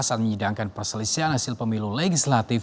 saat menyidangkan perselisian hasil pemilu legislatif